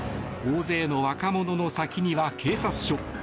大勢の若者の先には警察署。